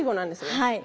はい。